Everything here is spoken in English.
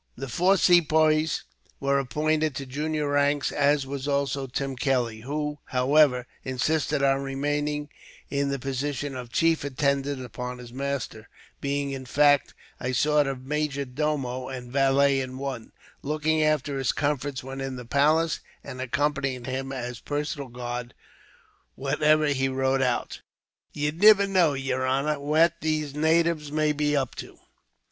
The four Sepoys were appointed to junior ranks, as was also Tim Kelly; who, however, insisted on remaining in the position of chief attendant upon his master; being, in fact, a sort of majordomo and valet in one, looking after his comforts when in the palace, and accompanying him as personal guard whenever he rode out. "You niver know, yer honor, what these natives may be up to.